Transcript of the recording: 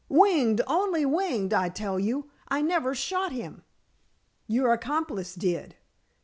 "Winged only winged, I tell you. I never shot him." "Your accomplice did."